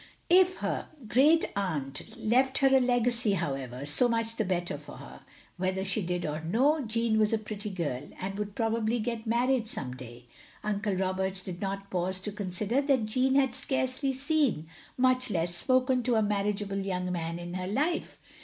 If her great aimt left her a legacy however, so much the better for her. Whether she did or no, Jeanne was a pretty girl, and would probably get married some day. Uncle Roberts did not pause to consider that Jeanne had scarcely seen, much less spoken to a marriageable young man in her life.